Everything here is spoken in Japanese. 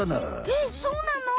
えっそうなの？